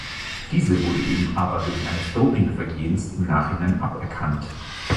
Diese wurde ihm aber wegen eines Dopingvergehens im Nachhinein aberkannt.